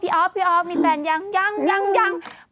พี่อ๊อปพี่อ๊อปมีแฟนยังยังยัง